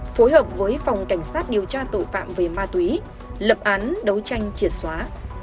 phối hợp với phòng cảnh sát điều tra tội phạm về ma túy lập án đấu tranh triệt xóa